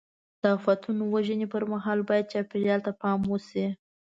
د آفتونو وژنې پر مهال باید چاپېریال ته پام وشي.